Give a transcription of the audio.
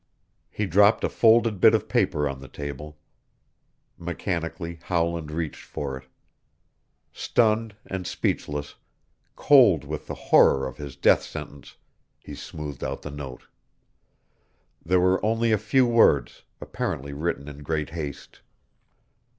He dropped a folded bit of paper on the table. Mechanically Howland reached for it. Stunned and speechless, cold with the horror of his death sentence, he smoothed out the note. There were only a few words, apparently written in great haste.